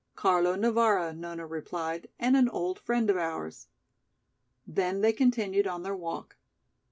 "Carlo Navara," Nona replied, "and an old friend of ours." Then they continued on their walk.